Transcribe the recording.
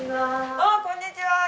ああこんにちは。